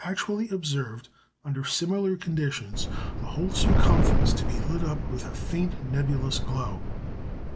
actually observed, under similar conditions, the whole circumference to be lit up with a faint nebulous glow.